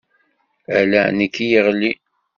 Ala nekk i yeɣlin.